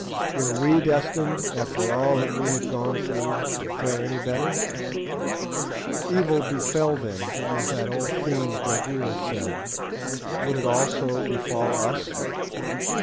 Were we destined, after all that we had gone through, to fare any better? Evil befell them, as that old fiend Gagool said; would it also befall us?